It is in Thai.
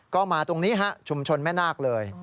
ก็มาตรงนี้ฮะชุมชนแม่นาคเลย